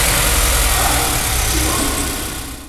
Ah? Kion?